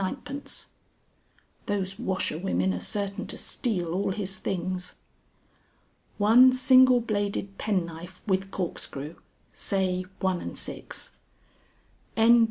_ ("Those washerwomen are certain to steal all his things.") "1 Single bladed Penknife with Corkscrew, say 1s 6d. "_N.